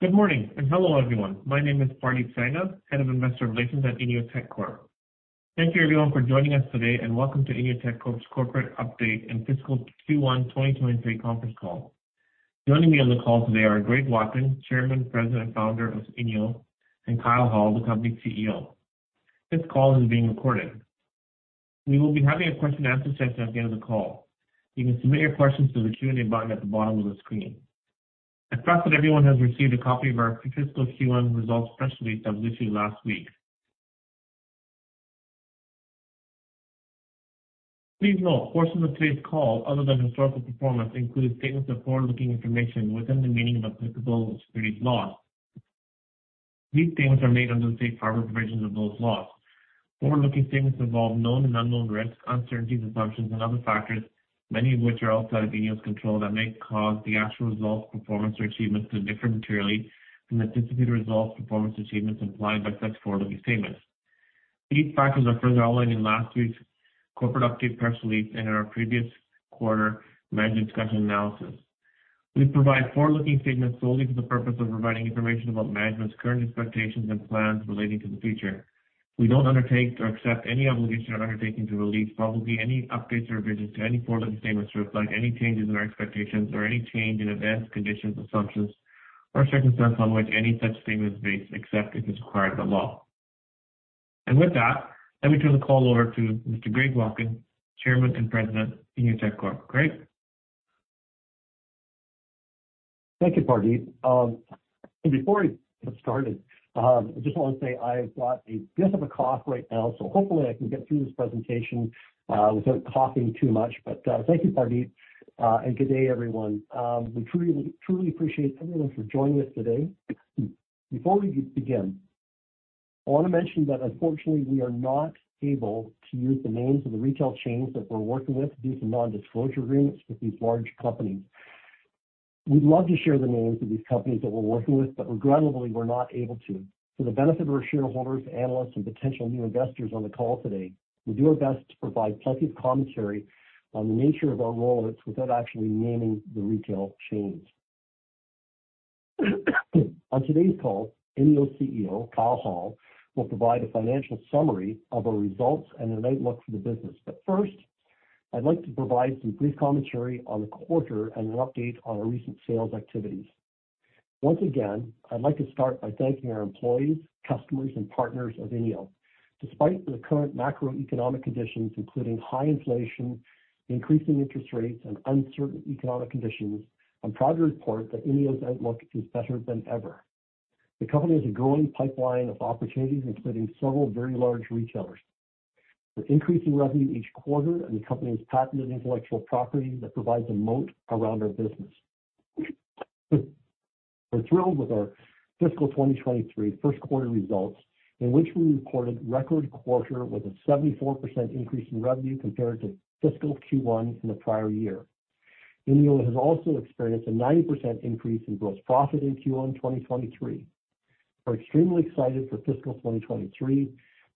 Good morning, hello, everyone. My name is Pardeep Sangha, head of investor relations at INEO Tech Corp. Thank you everyone for joining us today, and welcome to INEO Tech Corp's corporate update and fiscal Q1 2023 conference call. Joining me on the call today are Greg Watkin, Chairman, President, and Founder of INEO, and Kyle Hall, the company CEO. This call is being recorded. We will be having a question-and-answer session at the end of the call. You can submit your questions through the Q&A button at the bottom of the screen. I trust that everyone has received a copy of our fiscal Q1 results press release that was issued last week. Please note, portions of today's call other than historical performance include statements of forward-looking information within the meaning of applicable securities laws. These statements are made under the Safe Harbor provisions of those laws. Forward-looking statements involve known and unknown risks, uncertainties, assumptions and other factors, many of which are outside of INEO's control that may cause the actual results, performance or achievements to differ materially from the anticipated results, performance or achievements implied by such forward-looking statements. These factors are further outlined in last week's corporate update press release and in our previous quarter management discussion and analysis. We provide forward-looking statements solely for the purpose of providing information about management's current expectations and plans relating to the future. We don't undertake to accept any obligation or undertaking to release publicly any updates or revisions to any forward-looking statements or reflect any changes in our expectations or any change in events, conditions, assumptions or circumstances on which any such statement is based, except as required by law. With that, let me turn the call over to Mr. Greg Watkin, Chairman and President, INEO Tech Corp Greg. Thank you, Pardeep. Before we get started, I just wanna say I've got a bit of a cough right now, so hopefully I can get through this presentation without coughing too much. Thank you, Pardeep, and good day, everyone. We truly appreciate everyone for joining us today. Before we begin, I wanna mention that unfortunately we are not able to use the names of the retail chains that we're working with due to non-disclosure agreements with these large companies. We'd love to share the names of these companies that we're working with, but regrettably, we're not able to. For the benefit of our shareholders, analysts, and potential new investors on the call today, we'll do our best to provide plenty of commentary on the nature of our role without actually naming the retail chains. On today's call, INEO CEO, Kyle Hall, will provide a financial summary of our results and an outlook for the business. First, I'd like to provide some brief commentary on the quarter and an update on our recent sales activities. Once again, I'd like to start by thanking our employees, customers and partners of INEO. Despite the current macroeconomic conditions, including high inflation, increasing interest rates and uncertain economic conditions, I'm proud to report that INEO's outlook is better than ever. The company has a growing pipeline of opportunities, including several very large retailers. We're increasing revenue each quarter, and the company has patented intellectual property that provides a moat around our business. We're thrilled with our fiscal 2023 first quarter results, in which we reported record quarter with a 74% increase in revenue compared to fiscal Q1 in the prior year. INEO has also experienced a 90% increase in gross profit in Q1 2023. We're extremely excited for fiscal 2023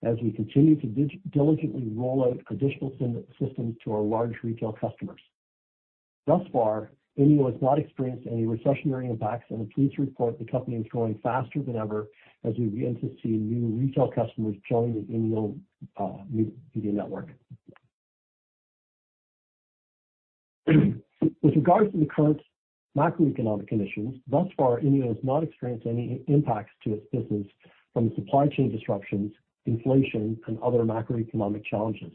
as we continue to diligently roll out additional systems to our large retail customers. INEO has not experienced any recessionary impacts. I'm pleased to report the company is growing faster than ever as we begin to see new retail customers join the INEO Media Network. With regards to the current macroeconomic conditions, thus far INEO has not experienced any impacts to its business from supply chain disruptions, inflation and other macroeconomic challenges.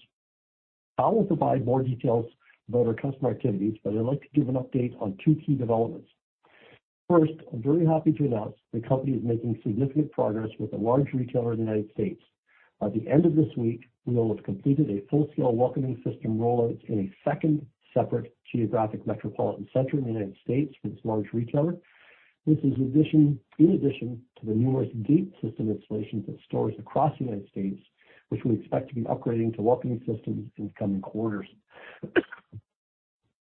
Kyle will provide more details about our customer activities. I'd like to give an update on two key developments. First, I'm very happy to announce the company is making significant progress with a large retailer in the United States. By the end of this week, we will have completed a full-scale walk-in system rollout in a second separate geographic metropolitan center in the United States with this large retailer. In addition to the numerous gate system installations at stores across the United States, which we expect to be upgrading to walk-in systems in the coming quarters.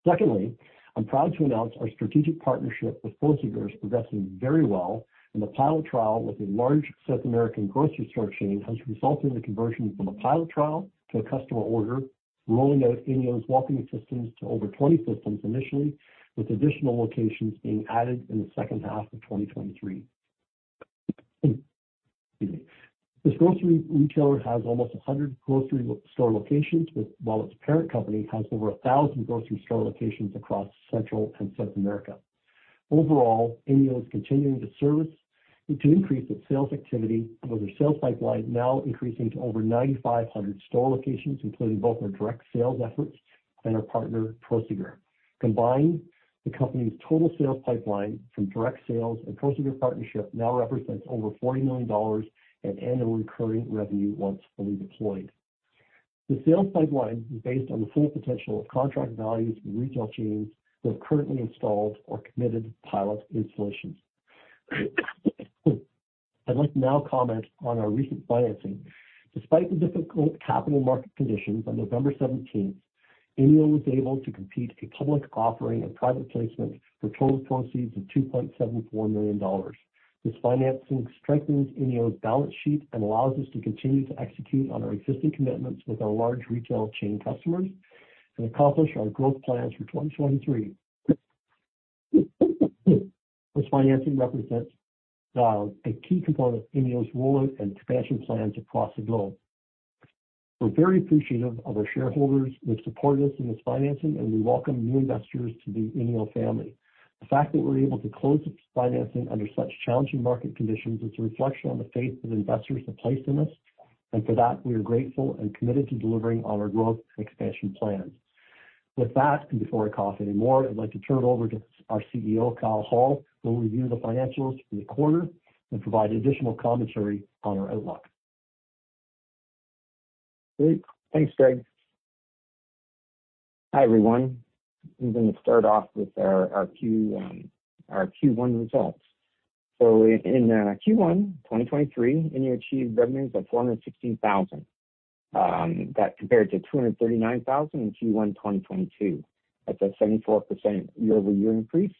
Secondly, I'm proud to announce our strategic partnership with Prosegur is progressing very well, and the pilot trial with a large South American grocery store chain has resulted in the conversion from a pilot trial to a customer order, rolling out INEO's walk-in systems to over 20 systems initially, with additional locations being added in the second half of 2023. Excuse me. This grocery retailer has almost 100 grocery store locations, while its parent company has over 1,000 grocery store locations across Central and South America. Overall, INEO is continuing to increase its sales activity, with our sales pipeline now increasing to over 9,500 store locations, including both our direct sales efforts and our partner, Prosegur. Combined, the company's total sales pipeline from direct sales and Prosegur partnership now represents over 40 million dollars in annual recurring revenue once fully deployed. The sales pipeline is based on the full potential of contract values with retail chains that have currently installed or committed pilot installations. I'd like to now comment on our recent financing. Despite the difficult capital market conditions on November 17th, INEO was able to complete a public offering and private placement for total proceeds of 2.74 million dollars. This financing strengthens INEO's balance sheet and allows us to continue to execute on our existing commitments with our large retail chain customers and accomplish our growth plans for 2023. This financing represents a key component of INEO's rollout and expansion plans across the globe. We're very appreciative of our shareholders which support us in this financing. We welcome new investors to the INEO family. The fact that we're able to close this financing under such challenging market conditions is a reflection on the faith that investors have placed in us. For that, we are grateful and committed to delivering on our growth and expansion plans. With that, before I cough anymore, I'd like to turn it over to our CEO, Kyle Hall, who will review the financials for the quarter and provide additional commentary on our outlook. Great. Thanks, Greg. Hi, everyone. I'm gonna start off with our Q1 results. In Q1 2023, INEO achieved revenues of 416,000 that compared to 239,000 in Q1 2022. That's a 74% year-over-year increase,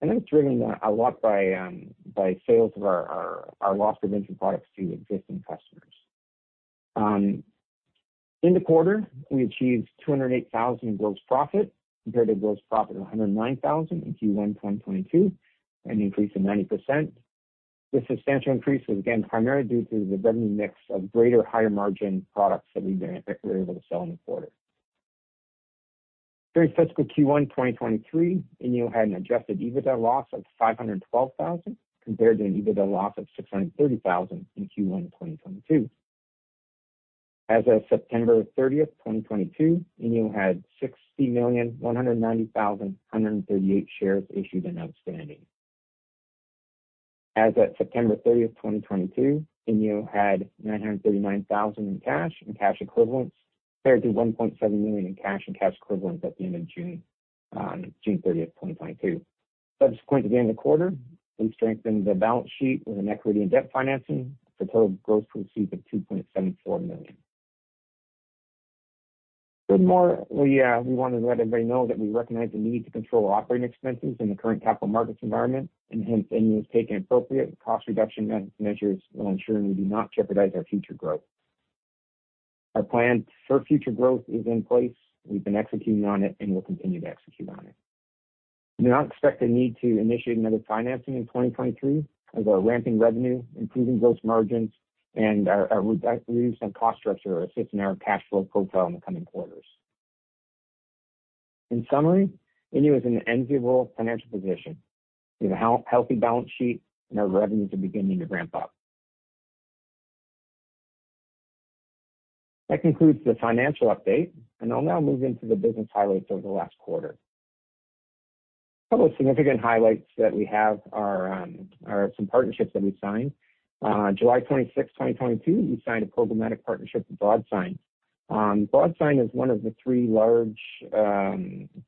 that was driven a lot by sales of our loss prevention products to existing customers. In the quarter, we achieved 208,000 in gross profit compared to gross profit of 109,000 in Q1 2022, an increase of 90%. This substantial increase was again primarily due to the revenue mix of greater higher margin products that we were able to sell in the quarter. During fiscal Q1 2023, INEO had an adjusted EBITDA loss of 512,000, compared to an EBITDA loss of 630,000 in Q1 2022. As of September 30th, 2022, INEO had 60,190,138 shares issued and outstanding. As at September 30th, 2022, INEO had 939,000 in cash and cash equivalents compared to 1.7 million in cash and cash equivalents at the end of June 30th, 2022. Subsequent to the end of the quarter, we strengthened the balance sheet with an equity and debt financing for total gross proceeds of 2.74 million. Furthermore, we wanted to let everybody know that we recognize the need to control our operating expenses in the current capital markets environment and hence INEO's taking appropriate cost reduction measures while ensuring we do not jeopardize our future growth. Our plan for future growth is in place. We've been executing on it, and we'll continue to execute on it. We do not expect the need to initiate another financing in 2023 as our ramping revenue, improving gross margins and our recent cost structure are assisting our cash flow profile in the coming quarters. In summary, INEO is in an enviable financial position with a healthy balance sheet, and our revenues are beginning to ramp up. That concludes the financial update, and I'll now move into the business highlights over the last quarter. A couple of significant highlights that we have are some partnerships that we've signed. On July 26, 2022, we signed a programmatic partnership with Broadsign. Broadsign is one of the three large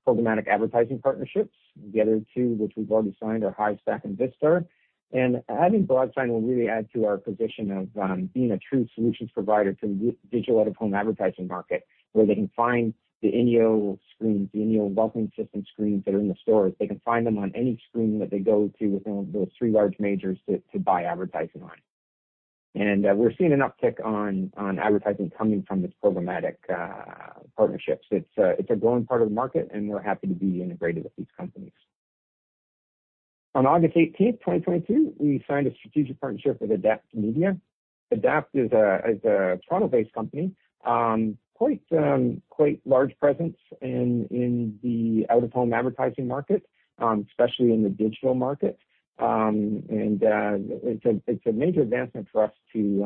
programmatic advertising partnerships. The other two, which we've already signed, are Hivestack and Vistar. Adding Broadsign will really add to our position of being a true solutions provider to the digital out-of-home advertising market, where they can find the INEO screens, the INEO Welcoming System screens that are in the stores. They can find them on any screen that they go to within those three large majors to buy advertising on. We're seeing an uptick on advertising coming from these programmatic partnerships. It's a growing part of the market, and we're happy to be integrated with these companies. On August 18th, 2022, we signed a strategic partnership with Adapt Media. Adapt is a Toronto-based company. Quite large presence in the out-of-home advertising market, especially in the digital market. It's a major advancement for us to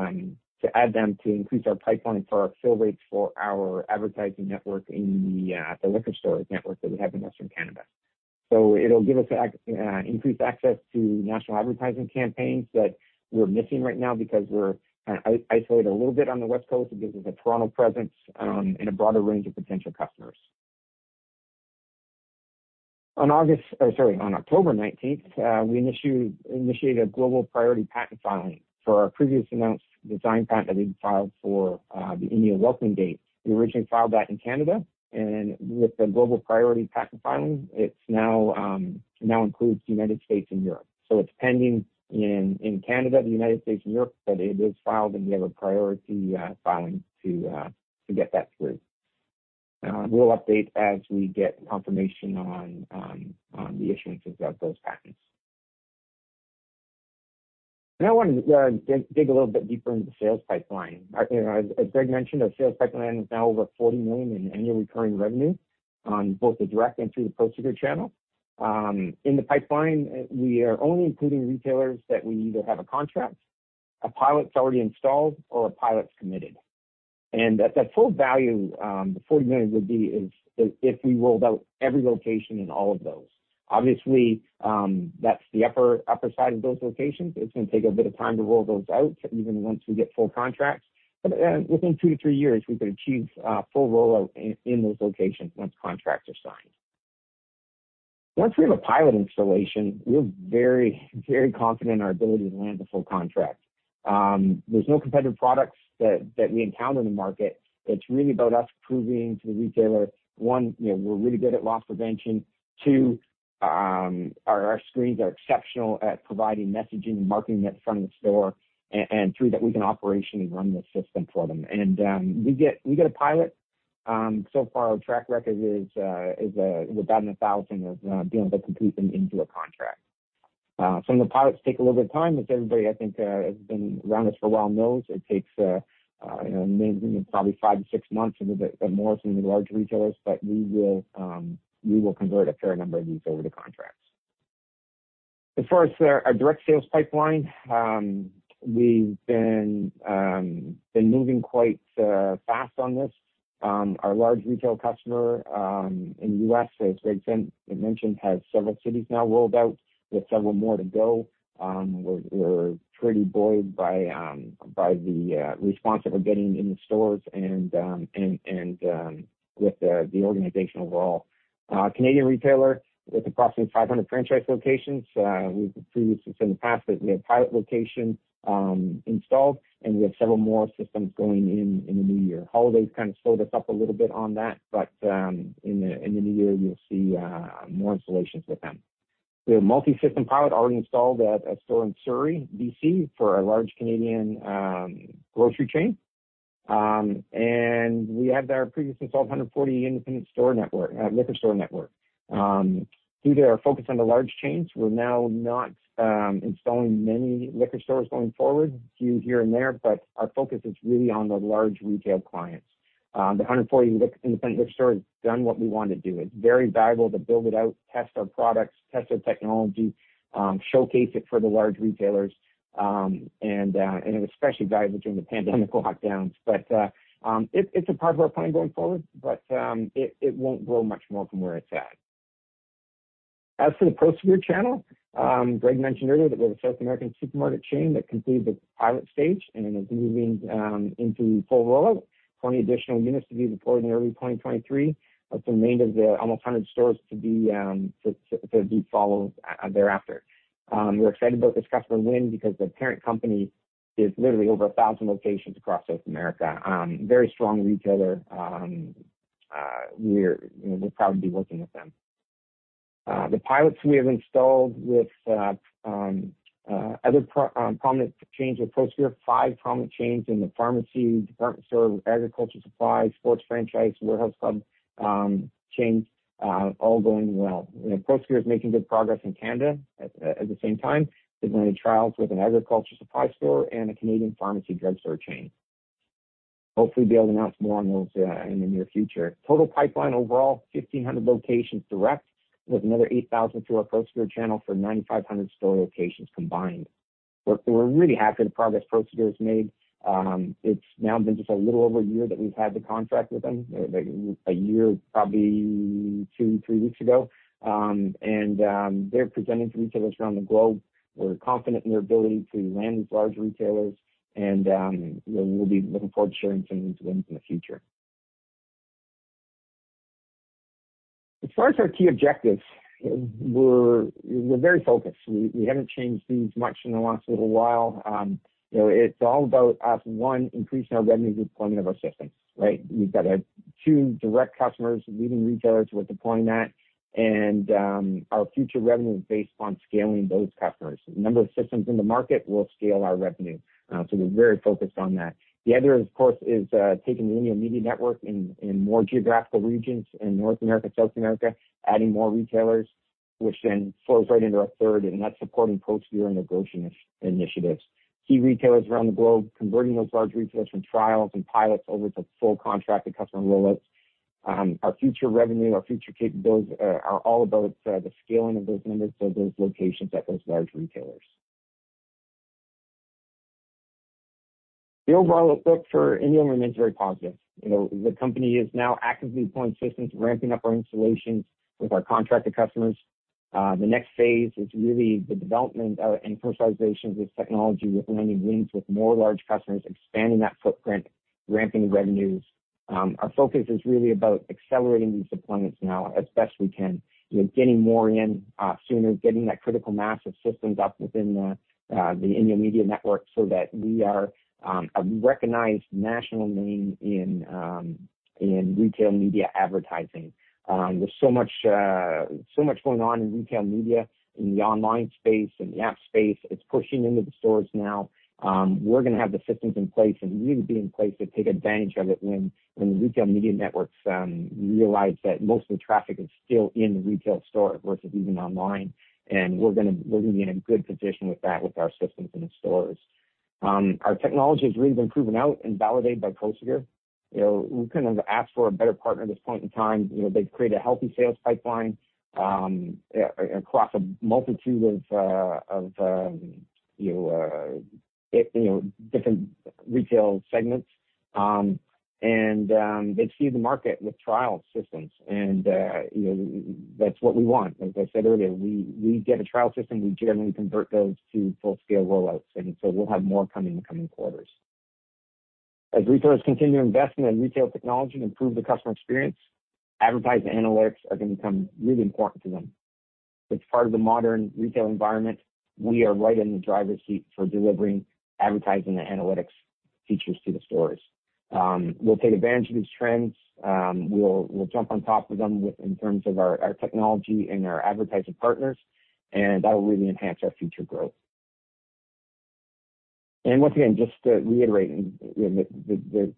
add them to increase our pipeline for our fill rates for our advertising network in the liquor store network that we have in Western Canada. It'll give us increased access to national advertising campaigns that we're missing right now because we're isolated a little bit on the West Coast. It gives us a Toronto presence and a broader range of potential customers. On October 19th, we initiated a global priority patent filing for our previously announced design patent that we'd filed for the INEO Welcoming G.A.T.E. We originally filed that in Canada. With the global priority patent filing, it now includes United States and Europe. It's pending in Canada, the United States and Europe, but it is filed, and we have a priority filing to get that through. We'll update as we get confirmation on the issuances of those patents. I want to dig a little bit deeper into the sales pipeline. You know, as Greg mentioned, our sales pipeline is now over 40 million in annual recurring revenue on both the direct and through the Prosegur channel. In the pipeline, we are only including retailers that we either have a contract, a pilot that's already installed, or a pilot's committed. That full value, the 40 million would be is if we rolled out every location in all of those. Obviously, that's the upper side of those locations. It's gonna take a bit of time to roll those out even once we get full contracts. Within two to three years, we could achieve full rollout in those locations once contracts are signed. Once we have a pilot installation, we're very, very confident in our ability to land the full contract. There's no competitive products that we encounter in the market. It's really about us proving to the retailer, one, you know, we're really good at loss prevention. Two, our screens are exceptional at providing messaging and marketing at the front of the store. Three, that we can operationally run the system for them. We get a pilot, so far our track record is about 1,000 being able to complete them into a contract. Some of the pilots take a little bit of time, as everybody has been around us for a while knows. It takes, you know, maybe probably five to six months or a bit more, some of the larger retailers, but we will convert a fair number of these over to contracts. As far as our direct sales pipeline, we've been moving quite fast on this. Our large retail customer in U.S., as Greg mentioned, has several cities now rolled out, with several more to go. We're pretty buoyed by the response that we're getting in the stores and with the organization overall. Canadian retailer with approximately 500 franchise locations, we've previously said in the past that we have pilot location installed, and we have several more systems going in the new year. Holidays kind of slowed us up a little bit on that. In the new year you'll see more installations with them. We have multi-system pilot already installed at a store in Surrey, BC for a large Canadian grocery chain. We have our previously installed 140 independent store network, liquor store network. Due to our focus on the large chains, we're now not installing many liquor stores going forward, a few here and there, but our focus is really on the large retail clients. The 140 independent liquor store has done what we want to do. It's very valuable to build it out, test our products, test our technology, showcase it for the large retailers, and it was especially valuable during the pandemic lockdowns. It's a part of our plan going forward, but it won't grow much more from where it's at. As for the Prosegur channel, Greg mentioned earlier that we have a South American supermarket chain that completed the pilot stage and is moving into full rollout. 20 additional units to be deployed in early 2023. With the remainder of the almost 100 stores to be followed thereafter. We're excited about this customer win because the parent company is literally over 1,000 locations across South America. Very strong retailer. We're, you know, we're proud to be working with them. The pilots we have installed with other prominent chains with Prosegur, five prominent chains in the pharmacy, department store, agriculture supplies, sports franchise, warehouse club chains, all going well. You know, Prosegur is making good progress in Canada at the same time, with many trials with an agriculture supply store and a Canadian pharmacy drug store chain. Hopefully, be able to announce more on those in the near future. Total pipeline overall, 1,500 locations direct, with another 8,000 through our Prosegur channel for 9,500 store locations combined. We're really happy with the progress Prosegur has made. It's now been just a little over a year that we've had the contract with them, a year, probably two, three weeks ago. They're presenting to retailers around the globe. We're confident in their ability to land these large retailers and, you know, we'll be looking forward to sharing some of these wins in the future. As far as our key objectives, we're very focused. We haven't changed these much in the last little while. You know, it's all about us, one, increasing our revenue deployment of our systems, right? We've got two direct customers, leading retailers we're deploying at. Our future revenue is based on scaling those customers. The number of systems in the market will scale our revenue. We're very focused on that. The other, of course, is taking the INEO Media Network in more geographical regions in North America, South America, adding more retailers, which then flows right into our third, that's supporting Prosegur negotiation initiatives. Key retailers around the globe, converting those large retailers from trials and pilots over to full contracted customer rollouts. Our future revenue, our future capabilities are all about the scaling of those numbers. Those locations at those large retailers. The overall outlook for INEO remains very positive. You know, the company is now actively deploying systems, ramping up our installations with our contracted customers. The next phase is really the development and commercialization of this technology with landing wins with more large customers, expanding that footprint, ramping the revenues. Our focus is really about accelerating these deployments now as best we can. You know, getting more in sooner, getting that critical mass of systems up within the INEO Media Network so that we are a recognized national name in retail media advertising. There's so much, so much going on in retail media, in the online space, in the app space. It's pushing into the stores now. We're gonna have the systems in place and really be in place to take advantage of it when the retail media networks realize that most of the traffic is still in the retail store versus even online. We're gonna be in a good position with that with our systems in the stores. Our technology has really been proven out and validated by Prosegur. You know, we couldn't have asked for a better partner at this point in time. You know, they've created a healthy sales pipeline across a multitude of, you know, different retail segments. They've seeded the market with trial systems and, you know, that's what we want. As I said earlier, we get a trial system, we generally convert those to full scale rollouts, we'll have more coming in coming quarters. As retailers continue investing in retail technology to improve the customer experience, advertising analytics are gonna become really important to them. It's part of the modern retail environment. We are right in the driver's seat for delivering advertising and analytics features to the stores. We'll take advantage of these trends. We'll jump on top of them in terms of our technology and our advertising partners, that'll really enhance our future growth. Once again, just to reiterate, you know, the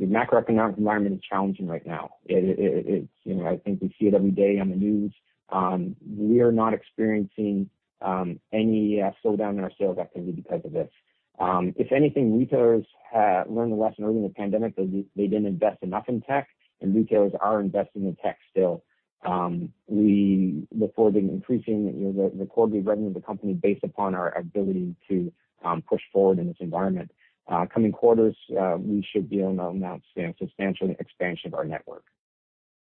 macroeconomic environment is challenging right now. It's, you know, I think we see it every day on the news. We are not experiencing any slowdown in our sales activity because of this. If anything, retailers learned a lesson early in the pandemic that they didn't invest enough in tech, retailers are investing in tech still. We look forward to increasing, you know, the quarterly revenue of the company based upon our ability to push forward in this environment. Coming quarters, we should be able to announce substantially expansion of our network.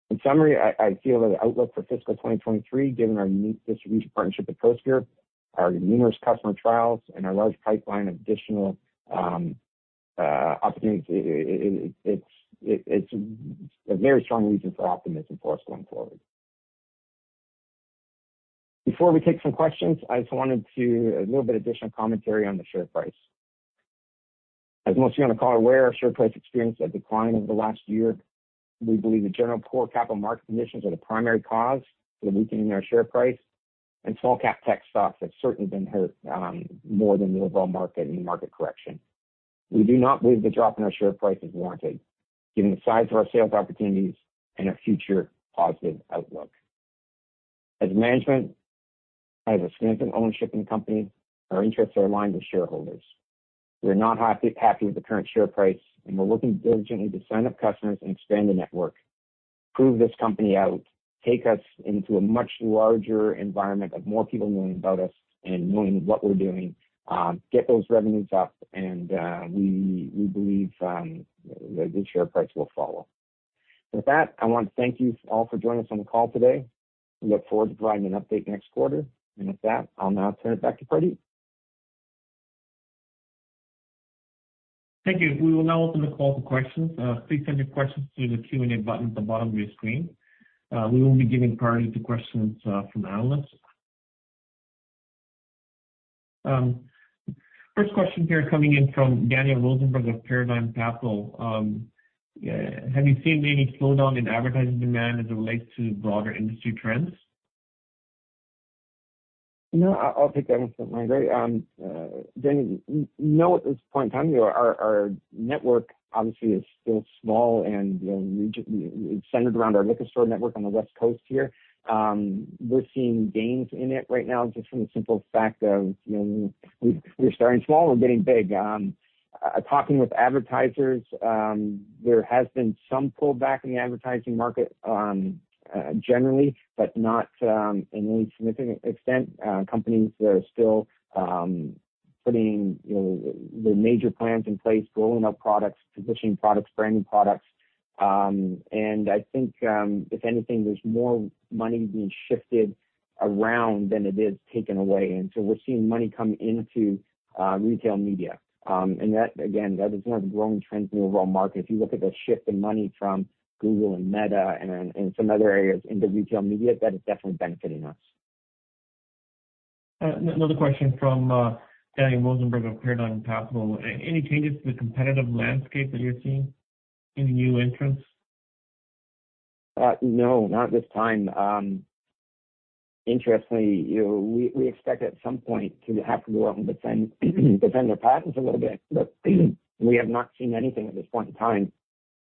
In summary, I feel that the outlook for fiscal 2023, given our unique distribution partnership with Prosegur, our numerous customer trials and our large pipeline of additional opportunities, it's a very strong reason for optimism for us going forward. Before we take some questions, I just wanted to give a little bit of additional commentary on the share price. As most of you on the call are aware, our share price experienced a decline over the last year. We believe the general poor capital market conditions are the primary cause for the weakening in our share price. Small-cap tech stocks have certainly been hurt more than the overall market in the market correction. We do not believe the drop in our share price is warranted given the size of our sales opportunities and our future positive outlook. As management, as a significant ownership in the company, our interests are aligned with shareholders. We are not happy with the current share price, and we're working diligently to sign up customers and expand the network, prove this company out, take us into a much larger environment of more people knowing about us and knowing what we're doing, get those revenues up and we believe the share price will follow. With that, I want to thank you all for joining us on the call today. We look forward to providing an update next quarter. With that, I'll now turn it back to Pardeep. Thank you. We will now open the call for questions. Please send your questions through the Q&A button at the bottom of your screen. We will be giving priority to questions from analysts. First question here coming in from Daniel Rosenberg of Paradigm Capital. Have you seen any slowdown in advertising demand as it relates to broader industry trends? No. I'll take that one, Pardeep. Dan, no. At this point in time, you know, our network obviously is still small and, you know, it's centered around our liquor store network on the West Coast here. We're seeing gains in it right now just from the simple fact of, you know, we're starting small and we're getting big. Talking with advertisers, there has been some pullback in the advertising market, generally, but not in any significant extent. Companies are still putting, you know, their major plans in place, rolling out products, positioning products, branding products. And I think, if anything, there's more money being shifted around than it is taken away. We're seeing money come into retail media. That again, that is one of the growing trends in the overall market. If you look at the shift in money from Google and Meta and some other areas into retail media, that is definitely benefiting us. Another question from Daniel Rosenberg of Paradigm Capital. Any changes to the competitive landscape that you're seeing? Any new entrants? No, not at this time. Interestingly, you know, we expect at some point to have to go out and defend our patents a little bit, but we have not seen anything at this point in time.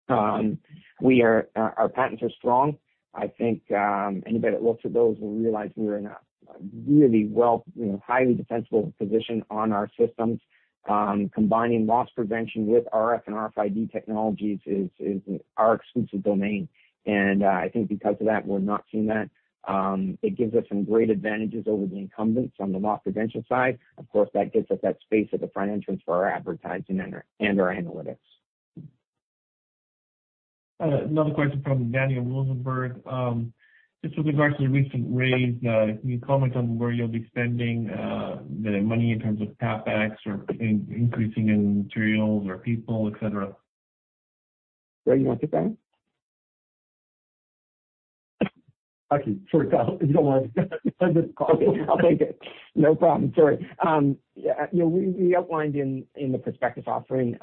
Our patents are strong. I think, anybody that looks at those will realize we are in a really well, you know, highly defensible position on our systems. Combining loss prevention with RF and RFID technologies is our exclusive domain. I think because of that, we're not seeing that. It gives us some great advantages over the incumbents on the loss prevention side. Of course, that gets us that space at the front entrance for our advertising and our analytics. Another question from Daniel Rosenberg. Just with regards to the recent raise, can you comment on where you'll be spending the money in terms of CapEx or increasing in materials or people, et cetera? Greg, you want to take that? I can. Sure can. If you don't mind. Okay. I'll take it. No problem. Sorry. Yeah, you know, we outlined in the prospectus offering,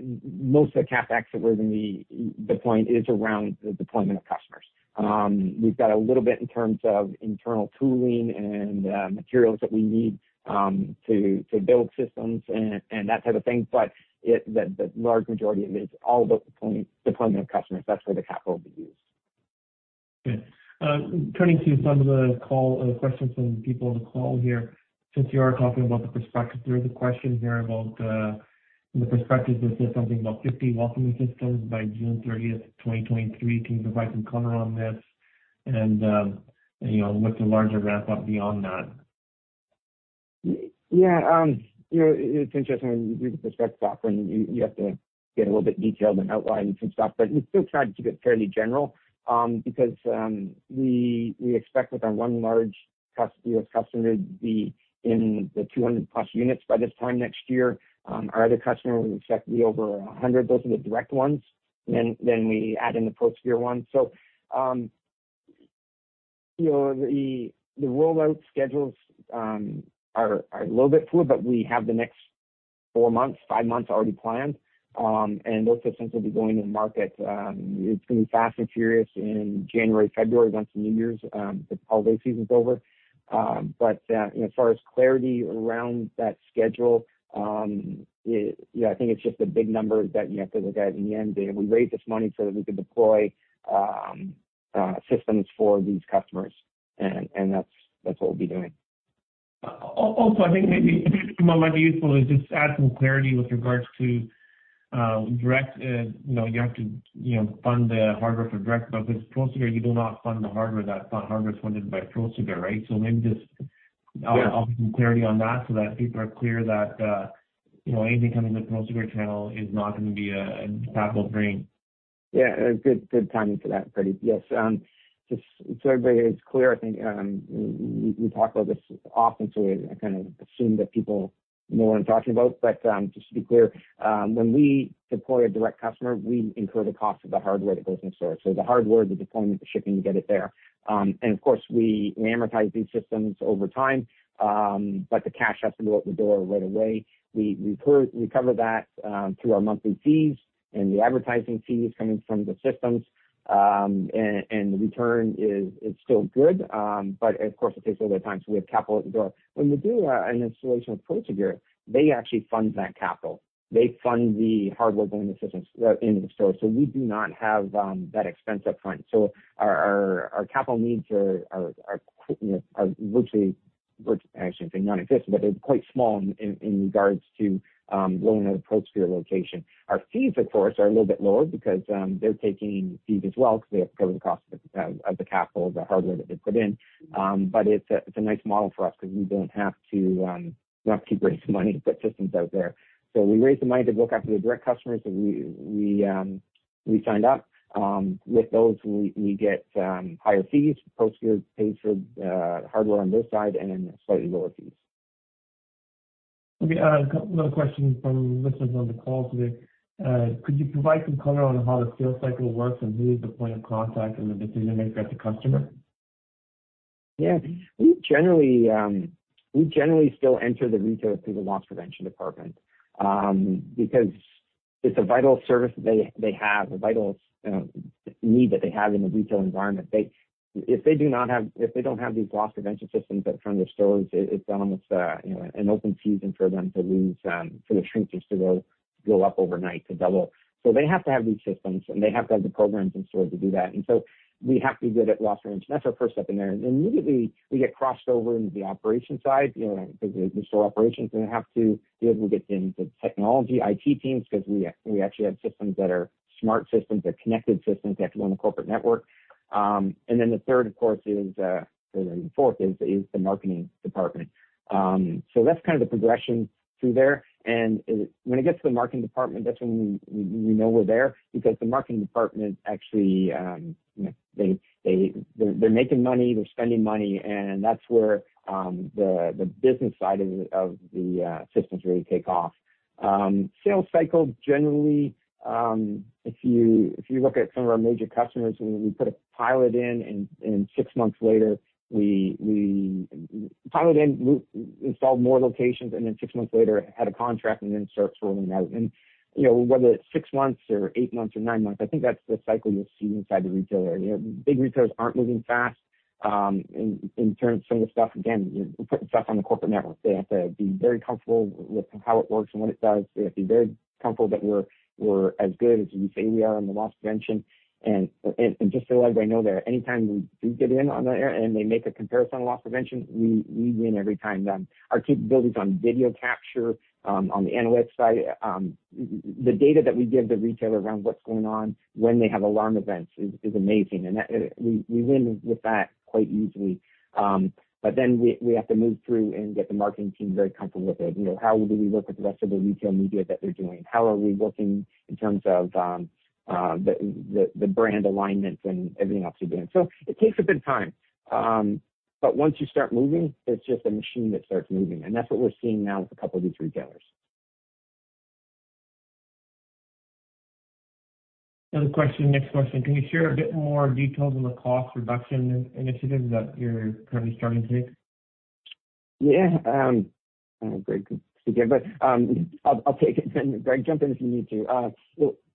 most of the CapEx that we're gonna be deploying is around the deployment of customers. We've got a little bit in terms of internal tooling and materials that we need to build systems and that type of thing. The large majority of it is all about deployment of customers. That's where the capital will be used. Okay. Turning to some of the call questions from people on the call here. Since you are talking about the prospectus, there is a question here about in the prospectus it says something about 50 Welcoming Systems by June 30, 2023. Can you provide some color on this and, you know, what's the larger ramp up beyond that? Yeah. You know, it's interesting when you read the prospectus offering, you have to get a little bit detailed and outline some stuff. We still tried to keep it fairly general, because we expect with our one large US customer to be in the 200+ units by this time next year. Our other customer we expect to be over 100. Those are the direct ones. We add in the Prosegur one. You know, the rollout schedules are a little bit fluid, but we have the next four months, five months already planned. Those systems will be going to market. It's gonna be fast and furious in January, February, once the New Year's, the holiday season's over. You know, as far as clarity around that schedule, Yeah, I think it's just the big numbers that you have to look at in the end. We raised this money so that we could deploy systems for these customers. That's what we'll be doing. Also I think maybe what might be useful is just to add some clarity with regards to direct, you know, you have to, you know, fund the hardware for direct, but with Prosegur, you do not fund the hardware. That hardware is funded by Prosegur, right? Maybe just offer some clarity on that so that people are clear that, you know, anything coming to the Prosegur channel is not gonna be capital drain. Yeah. Good, good timing for that, Pardeep. Yes. Just so everybody is clear, I think, we talk about this often, so I kind of assume that people know what I'm talking about. Just to be clear, when we deploy a direct customer, we incur the cost of the hardware that goes in store. The hardware, the deployment, the shipping to get it there. Of course, we amortize these systems over time, but the cash has to go out the door right away. We recover that through our monthly fees and the advertising fees coming from the systems. The return is still good, but of course, it takes a little time, so we have capital at the door. When we do an installation with Prosegur, they actually fund that capital. They fund the hardware going in the systems in the store. We do not have that expense up front. Our capital needs are, you know, virtually, I shouldn't say nonexistent, but they're quite small in regards to going at a Prosegur location. Our fees, of course, are a little bit lower because they're taking fees as well because they have to cover the cost of the capital, the hardware that they put in. It's a nice model for us because we don't have to keep raising money to put systems out there. We raise the money to look after the direct customers that we signed up. With those, we get higher fees. Prosegur pays for hardware on their side and then slightly lower fees. Okay. another question from listeners on the call today. Could you provide some color on how the sales cycle works and who is the point of contact and the decision-maker at the customer? Yeah. We generally, we generally still enter the retail through the loss prevention department, because it's a vital service that they have, a vital need that they have in the retail environment. If they don't have these loss prevention systems at front of their stores, it's almost, you know, an open season for them to lose, for their shrinkages to go up overnight, to double. They have to have these systems, and they have to have the programs in store to do that. We have to be good at loss prevention. That's our first step in there. Immediately we get crossed over into the operation side, you know, because the store operations are gonna have to be able to get into technology, IT teams, because we actually have systems that are smart systems. They're connected systems. They have to go on the corporate network. The third, of course, is or the fourth is the marketing department. That's kind of the progression through there. When it gets to the marketing department, that's when we know we're there because the marketing department actually, you know, they're making money, they're spending money, and that's where the business side of the systems really take off. Sales cycle, generally, if you look at some of our major customers, we put a pilot in, six months later, we install more locations, six months later had a contract, start rolling out. You know, whether it's six months or eight months or nine months, I think that's the cycle you'll see inside the retailer. You know, big retailers aren't moving fast in terms of some of the stuff. Again, we're putting stuff on the corporate network. They have to be very comfortable with how it works and what it does. They have to be very comfortable that we're as good as we say we are on the loss prevention. Just so everybody know that anytime we do get in on that and they make a comparison on loss prevention, we win every time. Our capabilities on video capture, on the analytics side, the data that we give the retailer around what's going on when they have alarm events is amazing. We win with that quite easily. We have to move through and get the marketing team very comfortable with it. You know, how do we look at the rest of the retail media that they're doing? How are we looking in terms of the brand alignment and everything else they're doing? It takes a bit of time. But once you start moving, it's just a machine that starts moving. That's what we're seeing now with a couple of these retailers. Another question. Next question. Can you share a bit more details on the cost reduction initiatives that you're currently starting to take? Yeah. I don't know Greg can speak here, but I'll take it, Greg, jump in if you need to.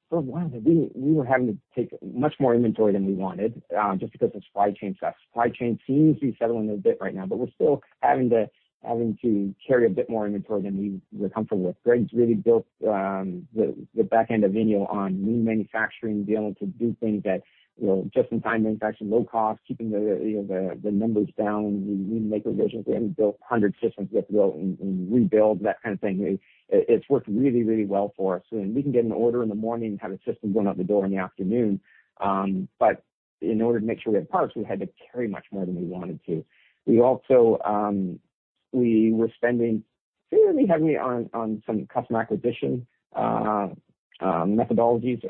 For a while there, we were having to take much more inventory than we wanted just because of supply chain stuff. Supply chain seems to be settling a bit right now, but we're still having to carry a bit more inventory than we were comfortable with. Greg's really built the back end of INEO on new manufacturing, being able to do things at, you know, just-in-time manufacturing, low cost, keeping, you know, the numbers down. We remake revisions. We haven't built 100 systems we have to go and rebuild, that kind of thing. It's worked really well for us. We can get an order in the morning and have a system going out the door in the afternoon. In order to make sure we had parts, we had to carry much more than we wanted to. We also, we were spending fairly heavily on some customer acquisition methodologies.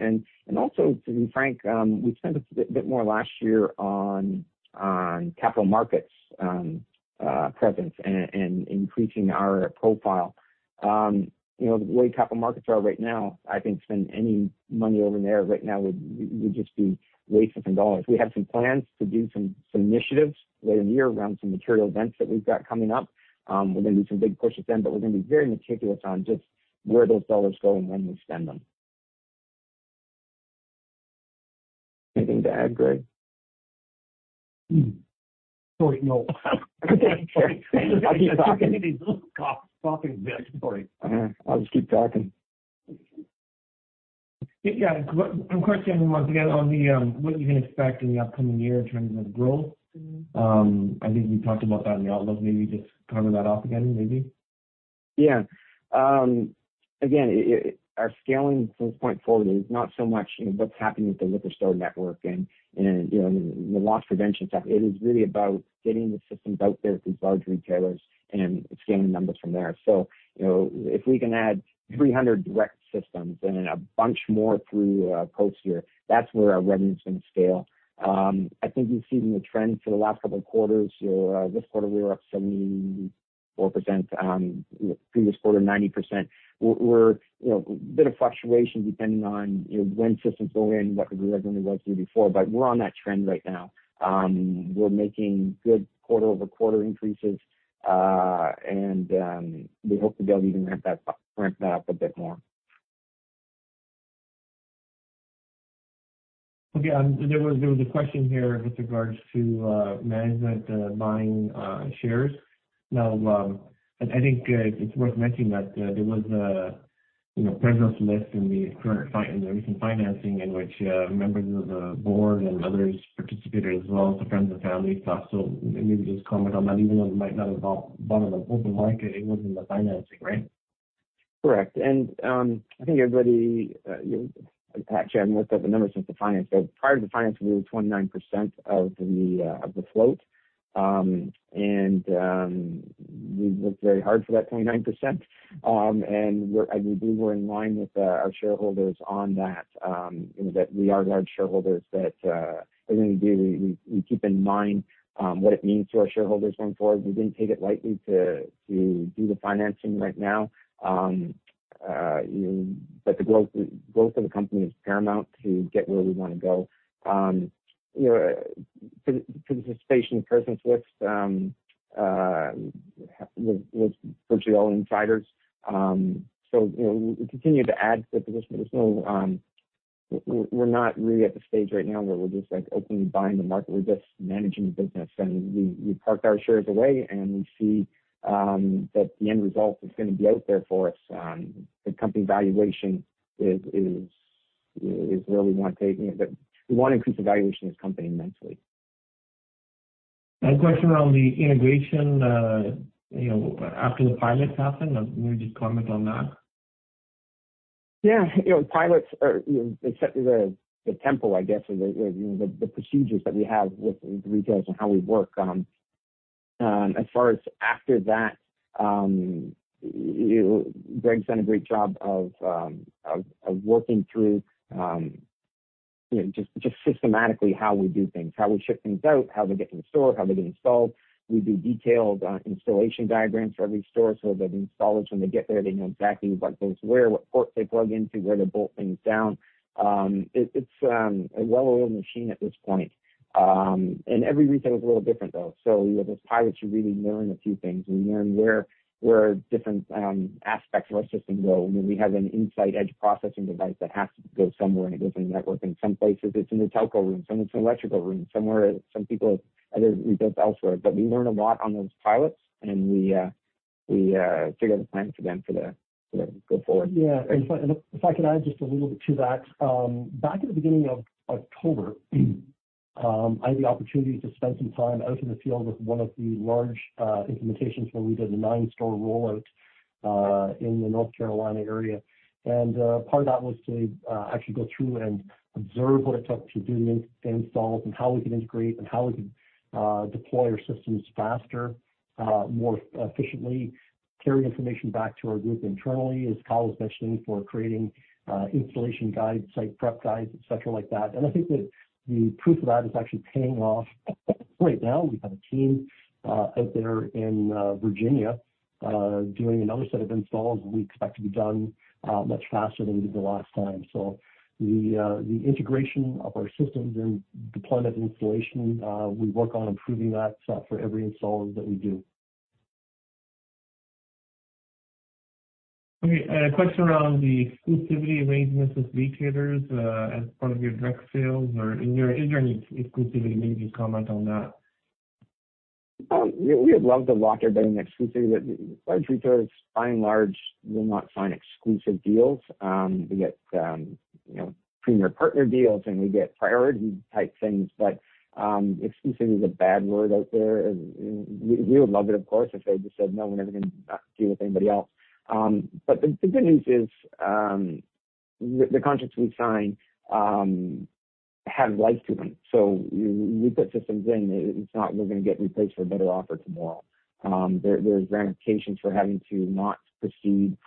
Also to be frank, we spent a bit more last year on capital markets presence and increasing our profile. You know, the way capital markets are right now, I think spend any money over there right now would just be wasting some dollars. We have some plans to do some initiatives later in the year around some material events that we've got coming up. We're gonna do some big pushes then, but we're gonna be very meticulous on just where those dollars go and when we spend them. Anything to add, Greg? Sorry, no. Okay. I keep talking. I'll just keep talking. Question once again on the, what you can expect in the upcoming year in terms of growth. I think we talked about that in the outlook, maybe just cover that up again, maybe. Again, our scaling from this point forward is not so much, you know, what's happening with the liquor store network and, you know, the loss prevention stuff. It is really about getting the systems out there with these large retailers and scaling the numbers from there. You know, if we can add 300 direct systems and a bunch more through Prosegur here, that's where our revenue is gonna scale. I think you've seen the trend for the last couple quarters. This quarter, we were up 74%. The previous quarter, 90%. We're, you know, a bit of fluctuation depending on, you know, when systems go in, what the revenue was year before. We're on that trend right now. We're making good quarter-over-quarter increases, we hope to be able to even ramp that up a bit more. Okay. There was a question here with regards to management buying shares. Now, I think it's worth mentioning that there was a, you know, presence list in the recent financing in which members of the board and others participated as well as the friends and family class. Maybe just comment on that. Even though it might not involve part of the open market, it was in the financing, right? Correct. I think everybody, you know. Actually, I haven't looked at the numbers since the finance. Prior to the financing, we were 29% of the float. We worked very hard for that 29%. I believe we're in line with our shareholders on that, you know, that we are large shareholders that everything we do, we keep in mind what it means to our shareholders going forward. We didn't take it lightly to do the financing right now. You know, the growth of the company is paramount to get where we wanna go. You know, participation in person list was virtually all insiders. You know, we continue to add to the position, but there's no. We're not really at the stage right now where we're just like openly buying the market. We're just managing the business. We, we parked our shares away, and we see that the end result is gonna be out there for us. The company valuation is where we wanna take, you know. We wanna increase the valuation of this company immensely. A question around the integration, you know, after the pilots happen. Can you just comment on that? Yeah. You know, pilots are, you know, they set the tempo, I guess, or, you know, the procedures that we have with the retailers and how we work. As far as after that, Greg's done a great job of working through, you know, just systematically how we do things, how we ship things out, how they get to the store, how they get installed. We do detailed installation diagrams for every store so that installers, when they get there, they know exactly what goes where, what port they plug into, where to bolt things down. It's a well-oiled machine at this point. Every retail is a little different, though. You know, those pilots, you really learn a few things. We learn where different aspects of our system go. You know, we have an insight edge processing device that has to go somewhere. It goes in the network. In some places, it's in the telco room, sometimes it's in the electrical room. Somewhere, some people have we built elsewhere. We learn a lot on those pilots, and we figure the plan for them for the go forward. If I could add just a little bit to that. Back at the beginning of October, I had the opportunity to spend some time out in the field with one of the large implementations where we did a nine-store rollout in the North Carolina area. Part of that was to actually go through and observe what it took to do the install and how we could integrate and how we could deploy our systems faster, more efficiently, carry information back to our group internally, as Kyle Hall was mentioning, for creating installation guides, site prep guides, et cetera like that. I think that the proof of that is actually paying off right now. We have a team out there in Virginia doing another set of installs, and we expect to be done much faster than we did the last time. The integration of our systems and deployment and installation, we work on improving that for every install that we do. Okay. A question around the exclusivity arrangements with retailers, as part of your direct sales or is there any exclusivity? Maybe you comment on that. We would love to lock everybody in exclusively, but large retailers by and large will not sign exclusive deals. We get, you know, premier partner deals, and we get priority type things. Exclusive is a bad word out there. We would love it, of course, if they just said, "No, we're never gonna deal with anybody else." The good news is, the contracts we sign have life to them. We put systems in that it's not we're gonna get replaced for a better offer tomorrow. There's ramifications for having to not proceed.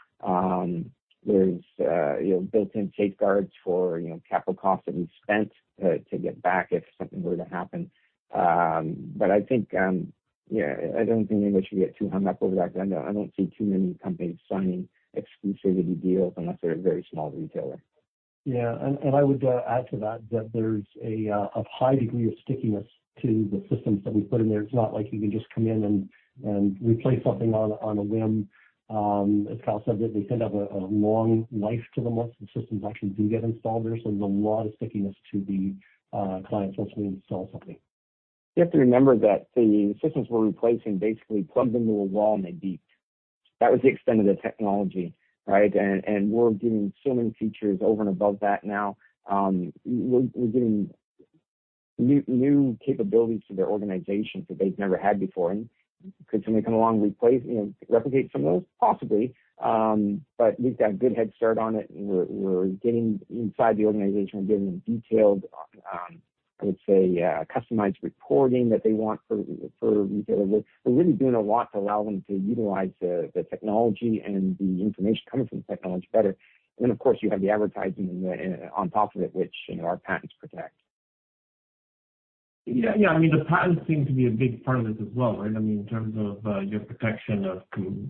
There's, you know, built-in safeguards for, you know, capital costs that we've spent to get back if something were to happen. I think, yeah, I don't think anybody should get too hung up over that. I know I don't see too many companies signing exclusivity deals unless they're a very small retailer. Yeah. I would add to that there's a high degree of stickiness to the systems that we put in there. It's not like you can just come in and replace something on a whim. As Kyle said, that they send out a long life to them once the systems actually do get installed there. There's a lot of stickiness to the clients once we install something. You have to remember that the systems we're replacing basically plugged into a wall and they beep. That was the extent of the technology, right? We're giving so many features over and above that now. We're giving new capabilities to their organization that they've never had before. Could somebody come along and replace, you know, replicate some of those? Possibly. We've got a good head start on it, and we're getting inside the organization. We're giving them detailed, I would say, customized reporting that they want for retailers. We're really doing a lot to allow them to utilize the technology and the information coming from the technology better. Of course, you have the advertising and the... on top of it, which, you know, our patents protect. Yeah. Yeah. I mean, the patents seem to be a big part of it as well, right? I mean, in terms of your protection of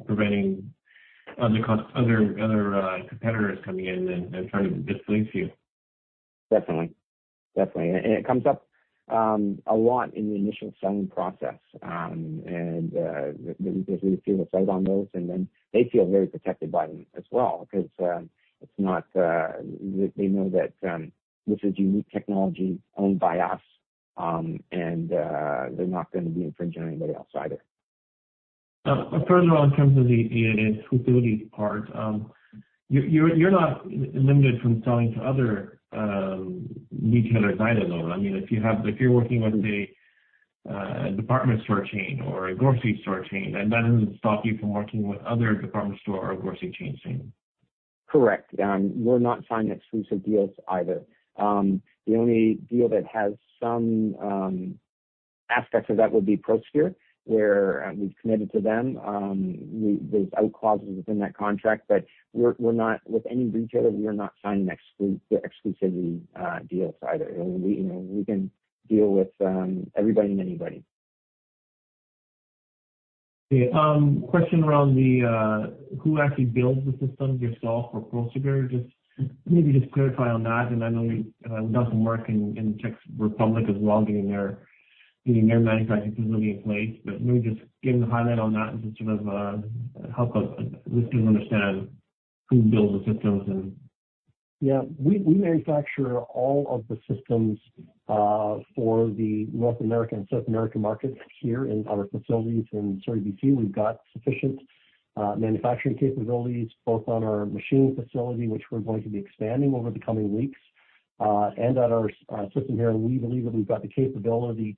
preventing other competitors coming in and trying to displace you. Definitely. Definitely. It comes up a lot in the initial selling process. The retailers really feel the same on those. They feel very protected by them as well because they know that this is unique technology owned by us. They're not gonna be infringing on anybody else either. First of all, in terms of the exclusivity part, you're not limited from selling to other retailers either, though? I mean, if you're working with a department store chain or a grocery store chain, that doesn't stop you from working with other department store or grocery chains, right? Correct. We'll not sign exclusive deals either. The only deal that has some aspects of that would be Prosegur, where we've committed to them. There's out clauses within that contract, but we're not. With any retailer, we are not signing exclusivity deals either. We, you know, we can deal with everybody and anybody. Okay. question around the who actually builds the systems yourself or Prosegur? Just maybe just clarify on that. I know you done some work in Czech Republic as well, getting their, getting their manufacturing facility in place. Maybe just give me the highlight on that and just sort of help us at least to understand who builds the systems and. Yeah. We manufacture all of the systems for the North American and South American markets here in our facilities in Surrey, BC. We've got sufficient manufacturing capabilities both on our machining facility, which we're going to be expanding over the coming weeks, and at our system here. We believe that we've got the capability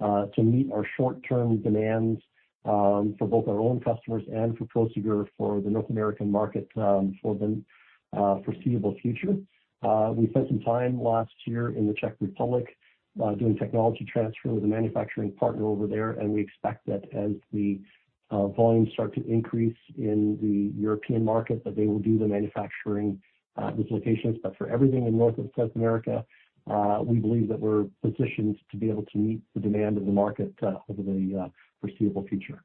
to meet our short-term demands for both our own customers and for Prosegur for the North American market for the foreseeable future. We spent some time last year in the Czech Republic doing technology transfer with a manufacturing partner over there, and we expect that as the volumes start to increase in the European market, that they will do the manufacturing at this location. For everything in North and South America, we believe that we're positioned to be able to meet the demand of the market, over the foreseeable future.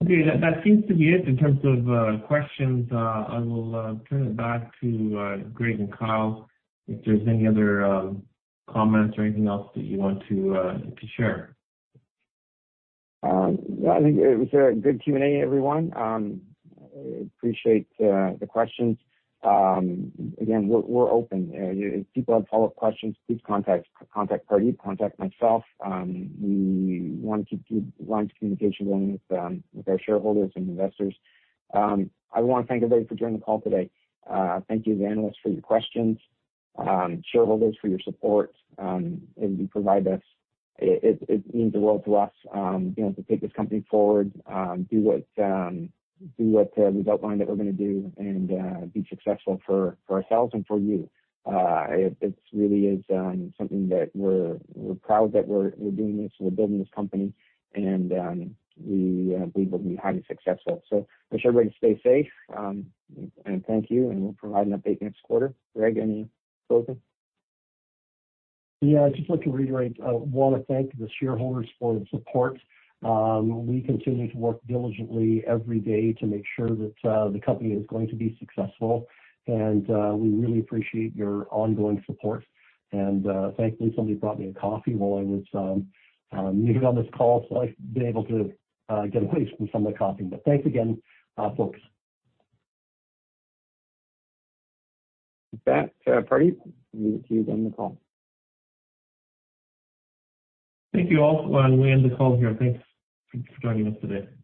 That seems to be it in terms of questions. I will turn it back to Greg and Kyle if there's any other comments or anything else that you want to share. No, I think it was a good Q&A, everyone. Appreciate the questions. Again, we're open. If people have follow-up questions, please contact Pardeep, contact myself. We want to keep lines of communication going with our shareholders and investors. I wanna thank everybody for joining the call today. Thank you to the analysts for your questions, shareholders for your support that you provide us. It means the world to us, you know, to take this company forward, do what we've outlined that we're gonna do and be successful for ourselves and for you. It's really is something that we're proud that we're doing this and we're building this company, and we believe we'll be highly successful. Wish everybody to stay safe. Thank you, and we'll provide an update next quarter. Greg, any closing? Yeah, I'd just like to reiterate, wanna thank the shareholders for the support. We continue to work diligently every day to make sure that the company is going to be successful, and we really appreciate your ongoing support. Thankfully, somebody brought me a coffee while I was muted on this call, so I've been able to get a taste from some of the coffee. Thanks again, folks. With that, Pardeep, leave it to you to end the call. Thank you all. We end the call here. Thanks for joining us today.